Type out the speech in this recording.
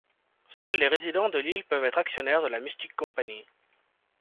Seuls les résidents de l'île peuvent être actionnaires de la Mustique Company.